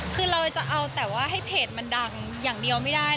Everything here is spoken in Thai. คือเราจะเอาแต่ว่าให้เพจมันดังอย่างเดียวไม่ได้